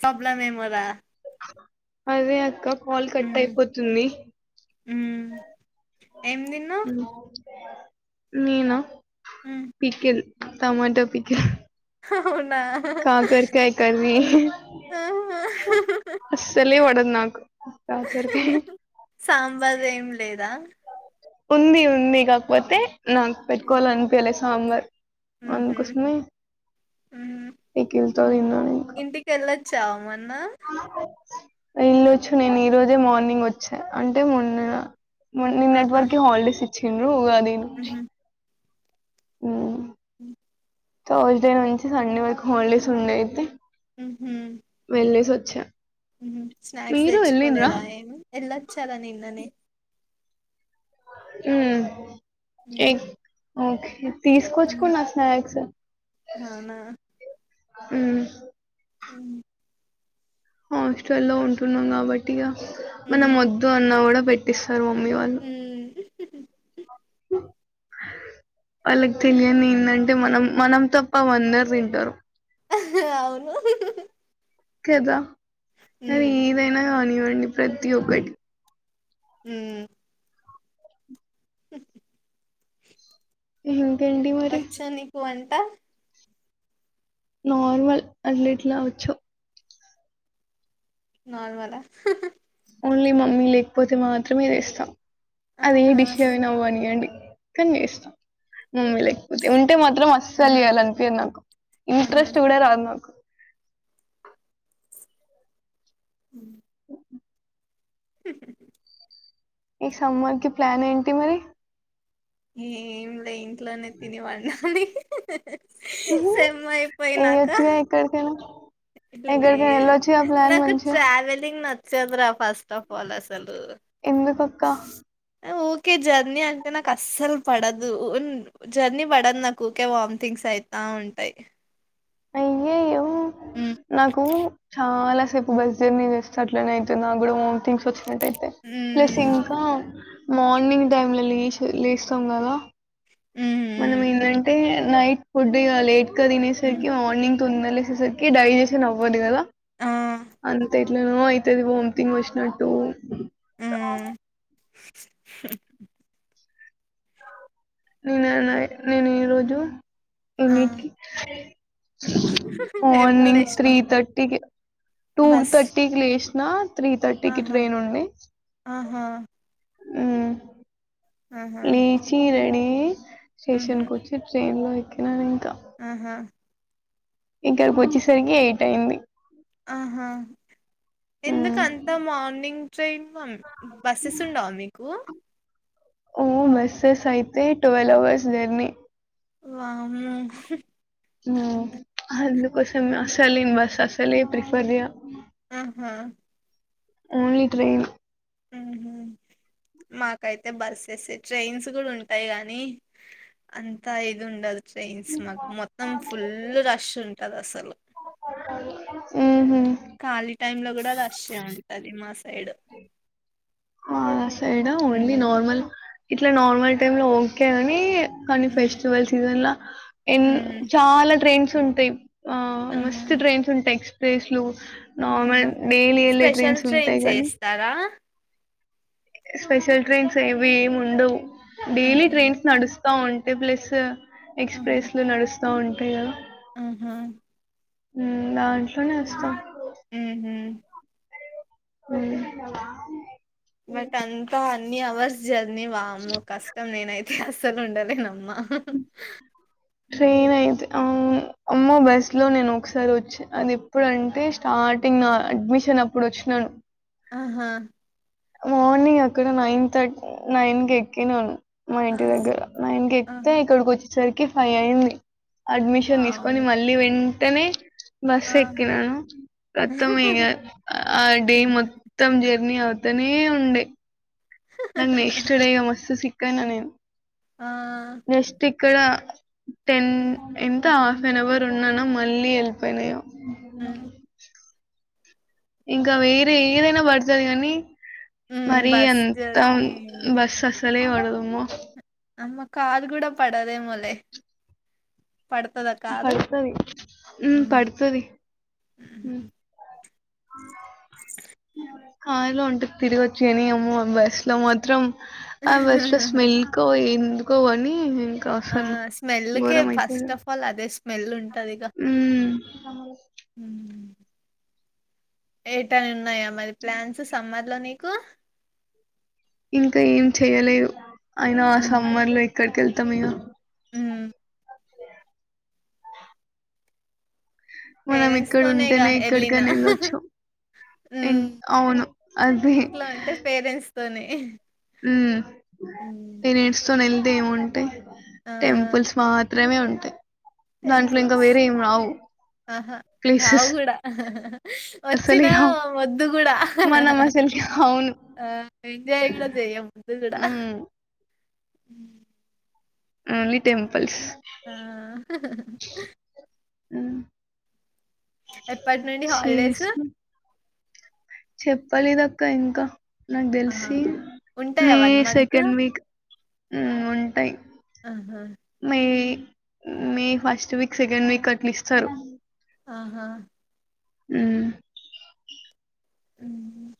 Problem ఏమోరా అదే అక్క కాల్ కట్ అయిపోతుంది మ్మ్ ఏమ్ తిన్నావ్ ఉమ్, నేనా ఉమ్ పికిల్ టమాట పికిల్ ఆవును కాకరకాయ కర్రీ ఆహా. అస్సలే పడదు నాకు కాకరకాయ సాంబార్ ఏం లేదా ఉంది ఉంది కాకపోతే నాకు పెట్టుకోవాలి అనిపియాలే సాంబార్ ఉహు అందుకోసమే ఉహు [unintelligible] చామన అ ఏల్ళొచ్చు నేను ఈ రోజే మార్నింగ్ వచ్చా అంటే మొన్న మార్నింగ్ నెట్వర్క్ హల్డేస్ చ్చిండ్రు ఉగా ఆ ఆ సోస్డే నుంచి సండే వరకు హోల్డేస్ ఉండే అయితే ఉహు చా స్నాక్స్ తెచ్చుకోలేదా ఏమి వెళ్ళొచ్చాలా నిన్ననే హు ఏ ఉమ్ ఓకే ఉమ్ తీసుకొచ్చుకున్న స్నాక్స్ అవునా హు ఉమ్ హాస్టల్ లో ఉంటున్నాం కాబట్టి ఇగ మనం ఉమ్ వద్దు అన్న గూడా పెట్టి తారు మమ్మీ వాళ్లు ఉమ్ అ వాళ్ళకి తెలియదు ఏంటంటే అంటే మనం మనం తప్ప అందరు తింటారు అవును కదా ఉమ్ అది ఏదైనా కానీ ప్రతి ఒకటి హు ఉహు అచ్చ నీకు అం త నార్మల్ అన్నిట్ల వచ్చు నార్మలా ఓన్లీ మమ్మీ లేకపోతే మాత్రమేచేస్తా అది ఏ ఆహా డిష్ అయిన అవ్వినివ్వండి కని చేస్తం మమ్మీ లేకపోతే ఉంటే మాత్రం అస్సలు ఆహా చేయాలనిపియాదు నాకు ఆహా ఇంట్రెస్ట్ కూడా రాదు నాకు ఉ ఈ సమ్మర్ కి ప్లాన్ ఏంటి మరి ఏ అంటే ఇంట్లోనే తిని వండాలి ఏ అయిపోయినాక వచ్చుగా ఏక్కడికి పోయనవ్ ఎక్కడికైన ఎల్లోచు గా ప్లాన్ మంచిగ నచ్చద్రా ఫస్ట్ ఆఫ్ ఆల్ అసల్ ఎందుకక్కా ఊకే జర్నీ అంటే నాకు అస్సలు పడదు జర్నీ పడదు నాకు ఊకే వామ్థింగ్స్ అయితా ఉంటయి అయ్య అయ్యో నాకు చాలా సేపు బస్ జర్నీ చేస్తే అట్లనే అయితే నా కూడా వామ్థింగ్స్ వచ్చి నట్టు అయితే ప్లెస్ ఉమ్ ఇంకా మార్నింగ్ టైమ్ లో లేషి లేస్తాం కదా ఉమ్ మనం ఏందంటే నైట్ ఫుడ్ ఇగ లేట్గ తినెస్ ఉమ్, సరికి మార్నింగ్ తొందరలేసేసరికి డైజెషన్ అవ్వదు కదా ఆ అంత ఎట్లానో అయితది వొంథింగ్ వచ్చినట్టు ఉమ్ నేను నినా నేను ఈ రోజు ఆ ఏన్నిటికీ ఎప్పుడు మార్నింగ్ త్రీ లేసినావ్ థర్టీకి టూ బస్ థర్టీ కి లెష్ నా త్రీ థర్టీకిి ఆహా ట్రైన్ ఉంది ఆహా ఉహ్ ఆహా లేచీ రెడీ అయి ఉ స్టేషన్ ఉహు కొచ్చి ట్రైన్ లో ఇంక ఆహా ఇకారికి వచ్చిసరికి ఏ టైం ఆహా మ్ ఎందుకంతా మార్నింగ్ ట్రైన్ ఉమ్ బస్సెస్ ఉండవు మీకు ఓ మస్సెస్ యితే ట్వెల్వ్ అవర్స్ జర్నీ వామూ ఉమ్ అందు కోసం అసలు బస్ అస ప్రిఫర్ ఆహా ఓన్లీ ట్రైన్ ఉహు మాకైతే బస్సెస్ ట్రైన్స్ కూడా ఉంటాయి గానీ అంతా ఇది ఉండదు ట్రైన్స్ మాకు మొత్తం ఫుల్ రష్ ఉంటది అసలు ఉహు కాలి టైమ్ల కూడ రష్ ఏ ఉంటది మా సై సైడు మా సైడా ఓన్లీ నార్మల్ ఇట్లా నార్మల్ టైమ్ లో ఓకే అని కానీ మ్మ్ ఫెస్టివల్ సీజన్ లా ఎన్ మ్మ్ చాలా ట్రైన్స్ తుంటాయి ఆ మస్ ఆహా టడ్రైన్స్ ఉంట ట ఎక్స్ ఫేస్లు నార్మల్ ఆహా డైలీ వెళ్ళే స్పెషల్ ట్రైన్స్ ఉంటాయి కానీ ఏస్తారా స్పెష్యల్ ట్రెయిన్స్ ఇవము ఉండవు డైలీ ఆహా ట్రైన్స్ నడుస్త స్తా ఉంటాయి ప్లస్ ఆహా ఎక్స్ప్రెస్ లు నడుస్త స్తా ఉంటాయి కదా ఆహా ఉమ్ అవును ఉమ్ ఉహుమ్ ఉమ్ బట్ అంతా ఎన్ని అవర్స్ జర్ అన్నీ వామ్మో కష్టం నేనై అస్సలు ఉండాలేనమ్మ ట్రైన్ అయితే అవును అమ్మో బస్ లో నేను ఒకసారి వచ్చి అది ఎప్పుడంటే స్టార్టింగ్ అడ్మిషన్ ఇప్పుడు వచ్చినాను ఆహా మార్నింగ్ అక్కడ నైన్ థర్టీ నైన్ కి ఎక్కినం మా ఆ ఇంటి దగ్గర మా ఇంటికి ఎక్తే ఆహా ఇక్కడికి వచ్చి సరికి ఫై అయింది అడ్మిషన్ తీసుకొని వామ్మో మళ్ళీ వె తని బస్ ఆ ఎక్కినాను మొత్తం ఇ ఆ డే మొత్తం జర్నీ అవుత అతనే ఉండే నక్ నెక్స్ట్ డే మస్త్ సిక్ కన నేన్ ఆ ఇక్కడ తెన్ హ్మ్ ఎంత తన్ ఎవర్ ఉన్నానో మళ్ళీ ఎళ్ళిపోయినాయో హ్మ్ ఇంకా వేరే ఏదైనా పడుతది కానీ హ్మ్ మరి బస్ ఎంత జర్నీ బస్ అసలే పడ అమ్మో అమ్మ కారు కూడం పడదేమో లే పడుతది ఉం ఊహూ పడుతది [inaudible] [inaudible] కారులో అంటే తిరిగచ్చు కని ఆమ్మో ఆ బస్సు లో మాత్రం ఆ బస్ లో స్మెల్ కో ఎందు కోవని ఆ స్మెల్ కె ఫస్ట్ ఆఫ్ ఆల్ అదే స్మే స్మేల్లు ఉం టదిగా ఉమ్ ఏటన్న ఉన్నాయా మరి ప్లాన్స్ సమ్మర్ ల నీకు ఇంకా ఏం చెయ్యలేదు. అయినా హ్మ్ సమ్మర్ లో ఏక్కడికి ఏల్ త్తం ఇగ హ్మ్ మనం పేరెంట్స్ ఇక్కడ తోనేగా ఉంటేనే ఎళ్ళినా ఏక్కడికైనా ఏళ్లొచ్చు హ్మ్ అవును. అది ఇంట్లో అంటే పేరెంట్స్ తోనే ఉ హ్మ్ టెనెంట్స్ తో నీ ఎల్ దేముంటయి ఆ టెంపుల్స్ మా ప్రేమే ఉంటయి టెంపుల్స్ ఆహా రావు ప్లేసెస్ కూడా అసలే వచ్చినా రావు మద్దు కూడా మనం అసలుకి అవును జయలో జయ ముందుగుడ అ ఉమ్ ఆ నీటేమ్ ఆ హ్ ఎప్పటి నుండి హాలిడేస్ చెప్పలేదు ఆక్క ఇంకా నాకు ఆహా దెలిసి ఉంటాయా May one month second week ఉ ఉంటాయి. ఆహా మీ ఫస్ట్ వీక్ సెకండ్ వీక్ అట్ల ఇస్తారు. ఆహా హ్ ఉహ్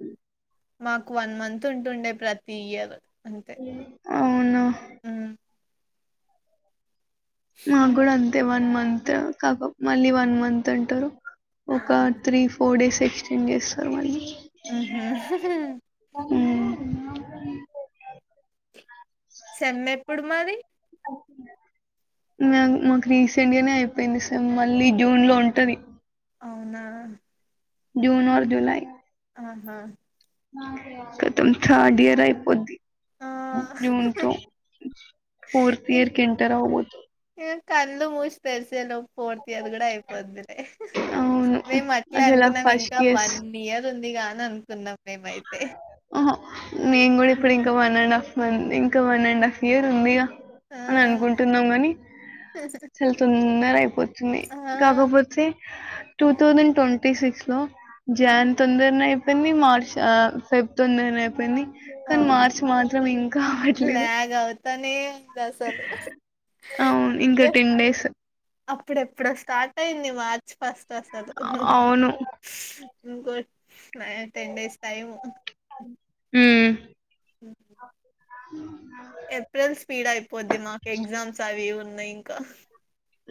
అ మాకు వన్ మంత్ ఉంటుండే ప్రతి ఇయర్ హ్ అవును హ్ మాగ్గుడ అం టి వన్ మంత్ కాక మళ్ళీ వన్ మంత్ అంటారు. ఒక ఆహా త్రీ ఫోర్ డేస్ నెక్స్ట్ ఎం చేస్తారు మరి ఉహు సేమ్ ఎప్పుడు మరి మాకు రీసెంట్ గానే అయిపోయింది సేమ్ మళ్ళీ జూన్ లో ఉంటది అవునా జూన్ ఆర్ జులై ఆహా కతం థర్డ్ ఇయర్ అయిపోద్ది ఆ జూన్ తొ ఫోర్త్ ఇంక ఇయర్ కి ఎంటర్ అవ్వబో త్ కళ్ళు ముసి తెరిసే లొప్ ఫోర్త్ ఇయర్ కూడా అయిపోది. అవును మేము అట్లే అసలు ఆ అనుకున్నాం ఫస్ట్ ఇంకా వన్ ఇయర్ ఉంది దిగా అని అనుకున్నాం. మేమైతే ఆహ నేను కూడా ఇప్పుడు ఇంకా వన్ అండ్ హాఫ్ ఉంది. ఇంకా వన్ అండ్ హాఫ్ ఇయర్ ఉంది గా ఆ అని అనుకుంటున్నాం. గాని చాలా తొందర అయిపోతునాయి. ఆ కాకపోతే టూ థౌసండ్ ట్వం టి సిక్సో ఆ జన్ తొందరనే అయి అన్ని మార్చ్ ఆ ఫెబ్ తొందరనే అయిపోయింది కానీ అవును మార్చి మాత్రం ఇంకా అవట్లేదు తనే అవును ఇంకా ఎప్- టెన్ డేస్ అప్పుడెప్పుడో స్టార్ట్ అయింది మార్చ్ ఫస్ట్ త స్ ద్ అవును ఇంకో నైన్ టెన్ డేస్ టైమ్ హ్మ్మ్ హు హమ్ ఏప్రిల్ స్పీడ్ అయిపో పోద్ది మాకు ఎగ్జామ్స్ అవి ఇవి ఉన్ నాయి ఇంకా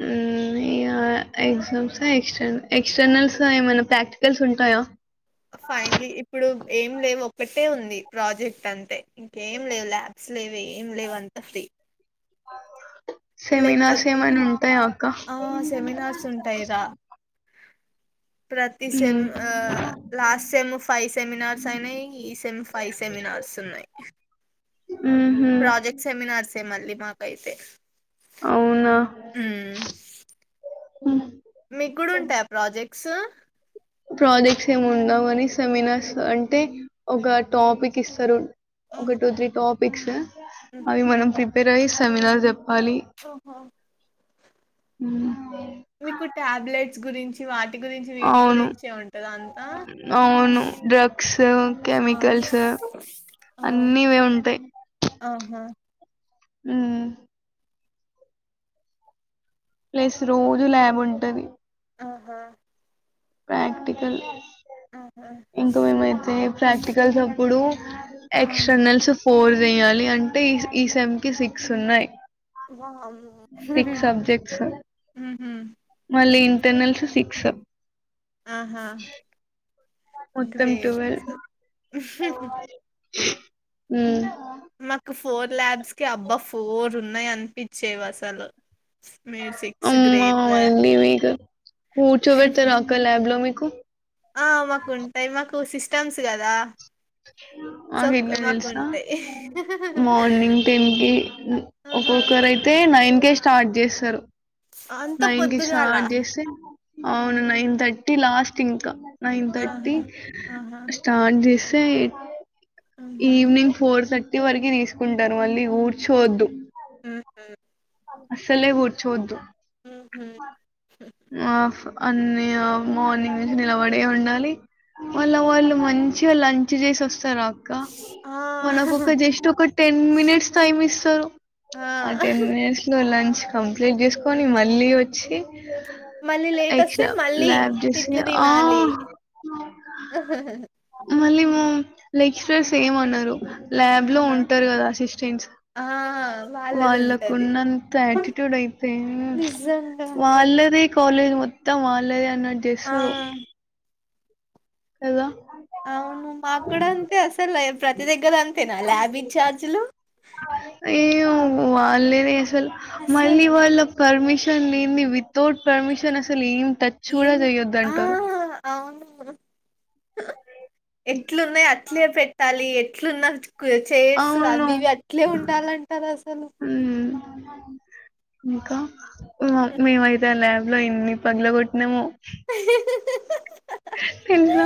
హమ్ ఇగ ఎగ్జామ్స్ ఎక్ ఎక్స్టర్నల్స్ ఏమైనా ప్రాక్టికల్స్ ఉంటాయా ఫైనన్లీ ఇప్పుడు ఏం లేవు ఒక్కట్ ఒకటే ఉంది ప్రాజెక్ట్ అంతే ఇంకేం లేవు ల్యాబ్స్ లేవు ఏం లేవు అంత ఫ్రీ ఆహా సెమినార్స్ లేకపోతే ఏమయినా ఉంటాయా అక్క ఆ సెమినార్స్ ఉంటాయి రా ప్రతి సేమ్ ఉమ్. లాస్ట్ సెమ్ ఫైవ్ సెమినార్స్ అయినాయి ఈ సెమ్ ఫైవ్ సెమినార్స్ ఉన్నాయి ఉహుం. ప్రాజెక్ట్ సెమినార్స్ తే మల్లి మాకయితే. అవునా ఉ మీకు కూడా ఉంటాయి ఆ ప్రాజెక్ట్ సొ ప్రాజెక్ట్స్ ఏం ఉండవు గని సెమినార్స్ అంటే ఒక టాపిక్ ఇస్తరు. ఒక టూ త్రీ టాప్ బిక్స్ అవి మనం ప్రీ పేర్అయి సెమినార్ జప్ ఓహో హ్మ్మ్ మీకు టాబ్లెట్ గురించి వాట్ అవును అవును డ్రగ్స్ ఆ కెమికల్స్ ఆ అన్నిఇవె ఉంటాయి ఆహా ఉ ప్లస్ రోజు ల్యాబ్ ఉంటది. ఆహా ప్రాక్టికల్ ఆహా ఇంకా మేమైతే ప్రాక్టికల్స్ అప్పుడు ఆ ఎక్స్టర్నల్స్ ఫోర్ చెయాలి అంటే ఈ సెమ్ కి సిక్స్ ఉన్నాయి వామ్ సిక్స్ సబ్జెక్ట్స్ ఉహు మళ్ళీ ఇన్ టర్నల్స్ సిక్స్ సబ్ ఆహా మొత్తం గ్రేట్ అసల్ ఉహు ఉ ఫోర్ ల్యాబ్స్ కి అబ్బా ఫోర్ ఉన్నాయి అనిపించేవి అసలు మీరు సిక్స్ అమ్మో గ్రేట్ రా మల్లి వీక్ కూర్చోబెడతారా అక్క మీకు ల్యాబ్ లో మీక్ కు ఆ మాకు ఉంటాయి మాకు సిస్ స్టమ్స్ కదా సో మాక్ ఎన్ని మాకు తెలుసా ఉంటాయి మార్నింగ్ టెన్ కి ఆహా ఒక్కొక్కరు అయితే నైన్ కె స్టార్ట్ చేస్తరు అంత నైన్ కి పొద్దుగాల స్టార్ట్ చేస్తే అవును నైన్ థర్టీ లాస్ట్ ఇంకా నైన్ ఆహా థర్టీ ఆహా దేయ్ ఉహు ఈవినింగ్ ఫోర్ థర్టీ ఇంటి వరికి తీసుకుంటారు మళ్ళీ కూర్చోవద్దు హమ్ అస్సలే కూర్చోవద్దు ఉహు ఆఫ్ అన్ని ఆ మార్నింగ్ నుంచి నిలబడే ఉండాలి మళ్ళ వాళ్ళు మంచిగా లంచ్ చేసి వస్త చూశారా అక్క ఆ మనకు ఒక జస్ట్ ఒక టెన్ మినిట్స్ టైమ్ ఇస్తారు ఆ టెన్ మినిట్స్ లంచ్ కంప్లీట్ చేసుకొని మళ్ళీ వచ్చి మళ్ళీ లేట్ వస్తే ఎక్స్ట్రా మళ్ళీ ల్యాబ్ చేసి తిట్లు ఆ తినాలి ఉహుహు మళ్ళీ మ లెక్చరర్స్ ఏం అనరు ల్యాబ్ లో ఆహా ఉంటారు కదా అసిస్టెంట్స్ ఆ వాళ్ళది వాళ్ళకు ఉంటది ఉన్నంత యాటిట్యూడ్ అయితే నిజంగా అసలు వాళ్ళదే కాలేజ్ మొత్తం వాళ్ళదే అన్నట్టు ఆ చేసరు కదా అవును మాకు కూడా అంతే అసలు ప్రతి దగ్గర అంతేనా ల్యాబ్ ఇంచార్జ్ లు వాళ్ళే తీస్ మళ్ళీ వాళ్ళ పర్మిషన్ లేంది వితౌట్ పర్మిషన్ అసలు ఏం టచ్ ఏ కూడా చెయ్యొద్దు ఆ అంటారు అవును ఎట్లున్నాయి అ అట్లే పెట్టాలి ఎట్లున్న చైర్స్ అవును అవి ఇవి అట్లే ఉండాలంటారు అసలు ఉమ్ ఇంకా మేమైతే ఆ ల్యాబ్ లో ఎన్ని పగలు కొట్టినమో తెల్సా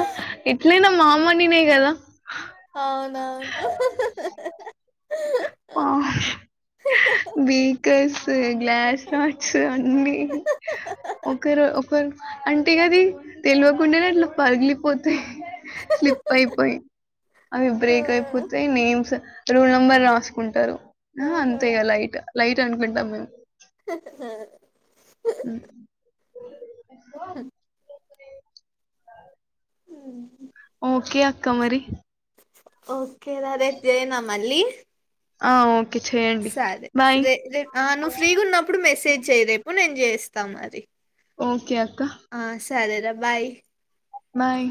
ఎట్లైనా మా మనినే కదా అవునవును ఆ డిటెల్స్ ఏ గ్లాస్ నాట్స్ అన్ని ఒకరు ఒకరు అంటే గది తెల్వకుండానే అట్లా పగిలిపో తే స్లిప్ అయిపోయి అవి బ్రేక్ అయిపోతే నేమ్స్ రూల్ నంబర్ రాసుకుంటారు ఆహా అంతే యిగా లైట్ లైట్ అనుకుంటాం మేము ఉ ఉమ్ హూ ఓకే అక్క మరి ఓ కెరా రేపు చేయనా మళ్లి ఆ ఓ సరే సరే నువ్వు ఫ్రీగా ఉన్నప్పుడు మెసేజ్ చెయి రేపు నేను చేస్తాం మరి ఓకే అక్క ఆ, సరేరా బాయ్ బాయ్